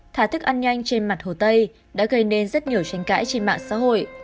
thả thức ăn nhanh trên mặt hồ tây đã gây nên rất nhiều tranh cãi trên mạng xã hội